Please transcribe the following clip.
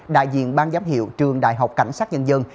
đại diện ban giám hiệu trường đại học cảnh sát nhân dân